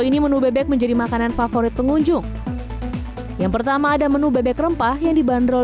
ini menu bebek menjadi makanan favorit pengunjung yang pertama ada menu bebek rempah yang dibanderol